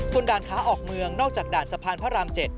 ส่วนด่านขาออกเมืองนอกจากด่านสะพานพระราม๗